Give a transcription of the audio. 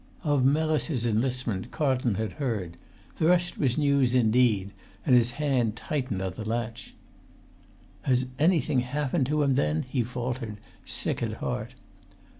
Of Mellis's enlistment Carlton had heard; the rest was news indeed; and his hand tightened on the latch. "Has anything happened to him, then?" he faltered, sick at heart.